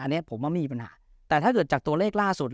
อันนี้ผมว่าไม่มีปัญหาแต่ถ้าเกิดจากตัวเลขล่าสุด